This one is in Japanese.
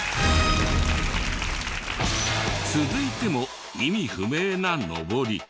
続いても意味不明なのぼり。